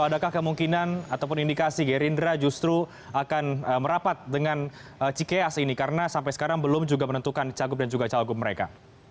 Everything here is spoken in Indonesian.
adakah kemungkinan ataupun indikasi gerindra justru akan merapat dengan cikeas ini karena sampai sekarang belum juga menentukan cagup dan juga cagup mereka